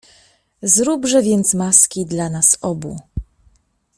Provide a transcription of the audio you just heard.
"Zróbże więc maski dla nas obu."